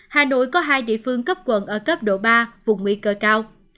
hà nội có hai địa phương cấp quận ở cấp độ ba vùng nguy cơ cao